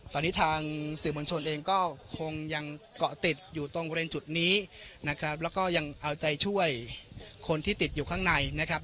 ตอนนี้ทางสื่อมวลชนเองก็คงยังเกาะติดอยู่ตรงบริเวณจุดนี้นะครับแล้วก็ยังเอาใจช่วยคนที่ติดอยู่ข้างในนะครับ